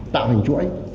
tạo thành chuỗi